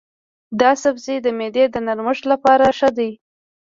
دا سبزی د معدې د نرمښت لپاره ښه دی.